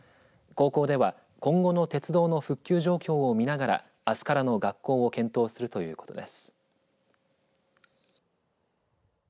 高校では今後の鉄道の復旧状況を見ながらあすからの学校を検討するということです。